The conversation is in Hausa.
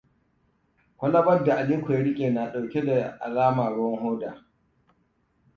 Kwalabar da Aliko ya riƙe na ɗauke da alama ruwan hoda.